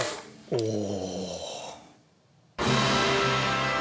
おお！